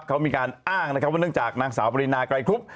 เขามีการอ้างนะครับว่าเนื่องจากนางสาวปรินาไกรครุบ